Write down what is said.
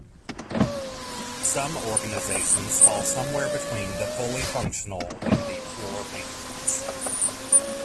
Some organizations fall somewhere between the fully functional and the pure matrix.